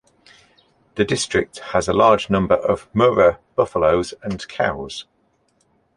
The district has a large number of Murrah buffaloes and cows.